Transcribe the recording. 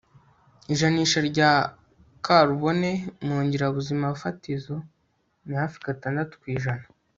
ijanisha rya karubone mu ngirabuzimafatizo ni hafi gatandatu ku ijana